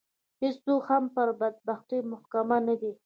هېڅوک هم پر بدبختي محکوم نه دي.